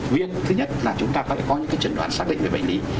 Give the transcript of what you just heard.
viên thứ nhất là chúng ta phải có những cái trần đoán xác định về bệnh lý